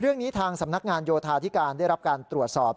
เรื่องนี้ทางสำนักงานโยธาธิการได้รับการตรวจสอบ